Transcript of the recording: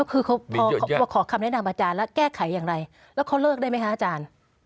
คือเขามาขอคำแนะนำอาจารย์แล้วแก้ไขอย่างไรแล้วเขาเลิกได้ไหมคะอาจารย์